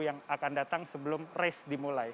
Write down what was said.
yang akan datang sebelum race dimulai